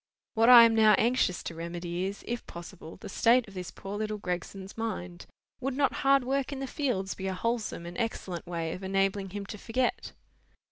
What I am now anxious to remedy is, if possible, the state of this poor little Gregson's mind. Would not hard work in the fields be a wholesome and excellent way of enabling him to forget?"